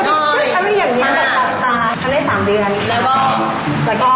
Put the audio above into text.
แบบตัดสตาร์ททำได้สามเดือนแล้วก็ออก